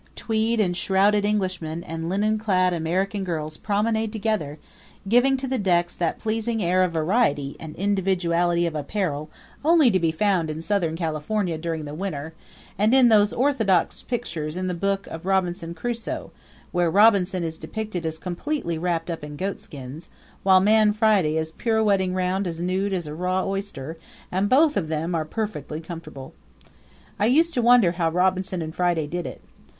Tweed enshrouded Englishmen and linen clad American girls promenade together, giving to the decks that pleasing air of variety and individuality of apparel only to be found in southern California during the winter, and in those orthodox pictures in the book of Robinson Crusoe, where Robinson is depicted as completely wrapped up in goatskins, while Man Friday is pirouetting round as nude as a raw oyster and both of them are perfectly comfortable. I used to wonder how Robinson and Friday did it.